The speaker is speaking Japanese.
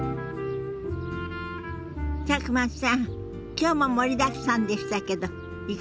今日も盛りだくさんでしたけどいかがでした？